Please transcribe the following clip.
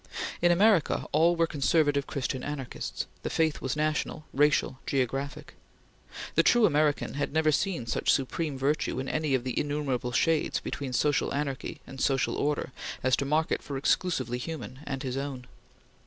In America all were conservative Christian anarchists; the faith was national, racial, geographic. The true American had never seen such supreme virtue in any of the innumerable shades between social anarchy and social order as to mark it for exclusively human and his own.